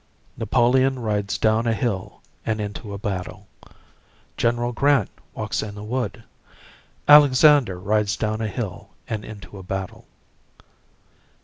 Napoleon rides down a hill and into a battle. General Grant walks in a wood. Alexander rides down a hill and into a battle.